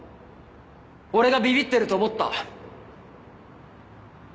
俺がビビってると思った？